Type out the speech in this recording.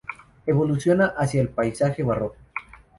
Evoluciona hacia el paisaje barroco.